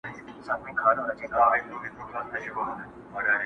شمع كوچ سوه د محفل له ماښامونو!.